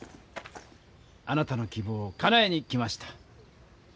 あなたの希望をかなえに来ました。